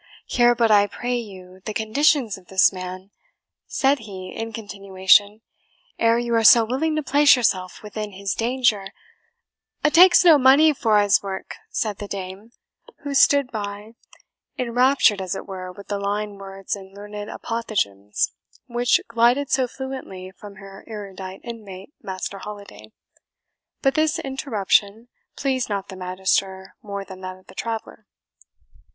Hear but, I pray you, the conditions of this man," said he, in continuation, "ere you are so willing to place yourself within his danger " "A' takes no money for a's work," said the dame, who stood by, enraptured as it were with the line words and learned apophthegms which glided so fluently from her erudite inmate, Master Holiday. But this interruption pleased not the Magister more than that of the traveller.